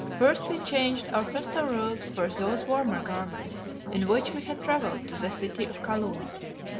First we changed our festal robes for those warmer garments in which we had travelled to the city of Kaloon.